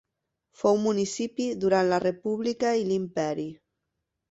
Fou municipi durant la república i l'imperi.